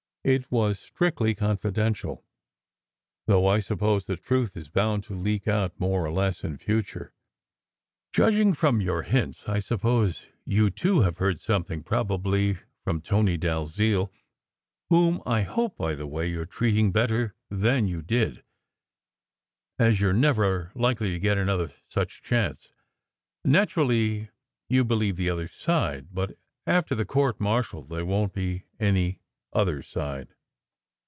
It was strictly confidential, though I suppose the truth is bound to leak out, more or less, in future. Judging from your hints, I suppose you, too, have heard something probably from 152 SECRET HISTORY Tony Dalziel (whom I hope, by the way, you are treating better than you did, as you re never likely to get another such chance). Naturally you believe the other side. But after the court martial there won t be any other side.